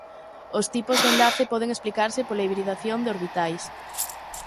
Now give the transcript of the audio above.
Os tipos de enlace poden explicarse pola hibridación de orbitais.